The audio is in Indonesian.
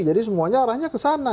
semuanya arahnya ke sana